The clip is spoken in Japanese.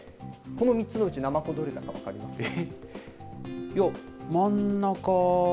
この３つのうちナマコはどれだか分かりますか。